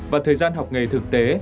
và thời gian học nghề thực tế